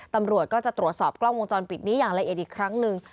ตำรวจก็จะตรวจสอบกล้องวงจรปิดนี้อย่างละเอียดอีกครั้งหนึ่ง